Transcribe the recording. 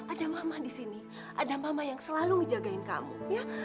ada mama di sini ada mama yang selalu ngejagain kamu ya